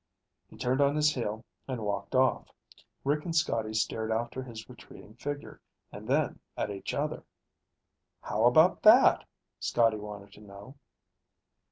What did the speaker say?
He turned on his heel and walked off. Rick and Scotty stared after his retreating figure, and then at each other. "How about that?" Scotty wanted to know.